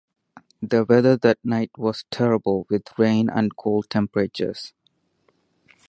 The weather that night was terrible with rain and cold temperatures.